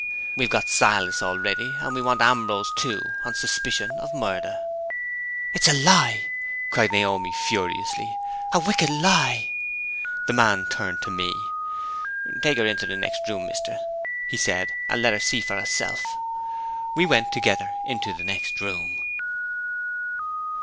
"We have got Silas already, and we want Ambrose too, on suspicion of murder." "It's a lie!" cried Naomi, furiously "a wicked lie!" The man turned to me. "Take her into the next room, mister," he said, "and let her see for herself." We went together into the next room.